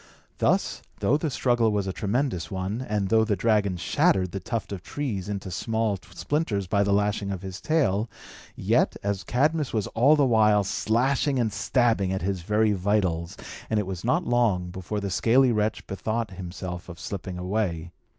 Thus, though the struggle was a tremendous one, and though the dragon shattered the tuft of trees into small splinters by the lashing of his tail, yet, as Cadmus was all the while slashing and stabbing at his very vitals, it was not long before the scaly wretch bethought himself of slipping away.